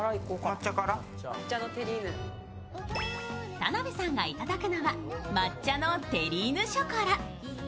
田辺さんが頂くのは抹茶のテリーヌショコラ。